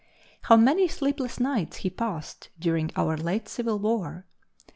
How many sleepless nights he passed during our late civil war!